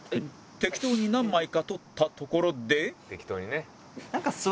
適当に何枚か撮ったところで